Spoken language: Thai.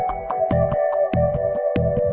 มันเป็นแบบที่สุดท้ายแต่มันเป็นแบบที่สุดท้าย